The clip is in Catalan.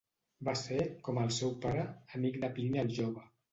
Va ser, com el seu pare, amic de Plini el jove.